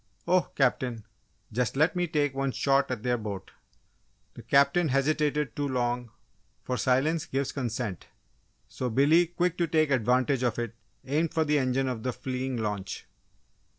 "Oh, Captain, just let me take one shot at their boat!" The Captain hesitated too long, for silence gives consent. So Billy, quick to take advantage of it, aimed for the engine of the fleeing launch.